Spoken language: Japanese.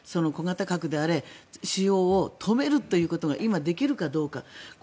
小型核であれ使用を止めるということが今、できるかどうか。